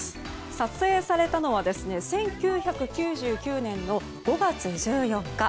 撮影されたのは１９９９年の５月１４日。